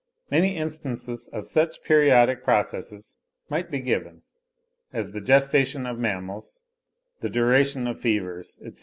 Many instances of such periodic processes might be given, as the gestation of mammals, the duration of fevers, etc.